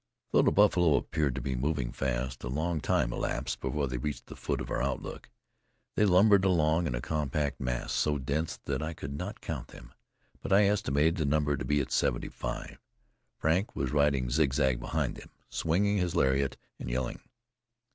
Though the buffalo appeared to be moving fast, a long time elapsed before they reached the foot of our outlook. They lumbered along in a compact mass, so dense that I could not count them, but I estimated the number at seventy five. Frank was riding zigzag behind them, swinging his lariat and yelling.